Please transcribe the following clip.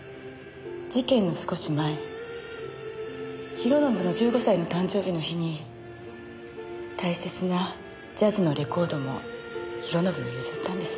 事件の少し前弘信の１５歳の誕生日の日に大切なジャズのレコードも弘信に譲ったんです。